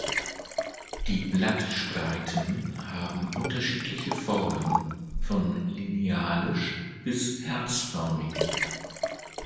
Die Blattspreiten haben unterschiedliche Formen: von linealisch bis herzförmig.